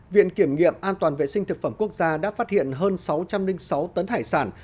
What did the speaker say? viện kiểm nghiệm an toàn vệ sinh thực phẩm quốc gia đã phát hiện hơn sáu trăm linh sáu tấn hải sản